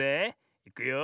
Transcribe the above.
いくよ。